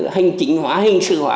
hình chính hóa hình sự hóa